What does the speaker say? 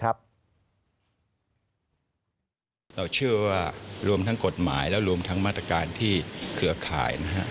เราเชื่อว่ารวมทั้งกฎหมายและรวมทั้งมาตรการที่เครือข่ายนะฮะ